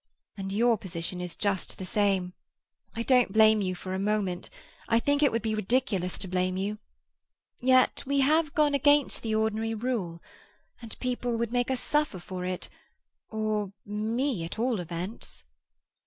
And your position is just the same. I don't blame you for a moment; I think it would be ridiculous to blame you. Yet we have gone against the ordinary rule, and people would make us suffer for it—or me, at all events.